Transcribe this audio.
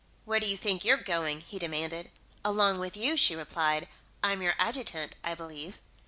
"Where do you think you're going?" he demanded. "Along with you," she replied. "I'm your adjutant, I believe."